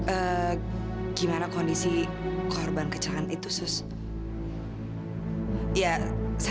ehm gimana kondisi korban kecelahan itu sus